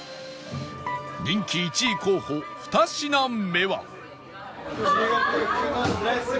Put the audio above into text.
人気１位候補２品目は